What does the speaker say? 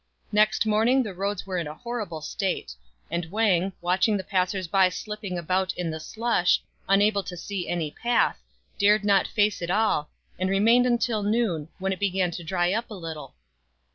Next morning the roads were in a horrible state ; and Wang, watching the passers by slipping about in the slush, unable to see any path, dared not face it all, and remained until noon, when it began to dry up a little.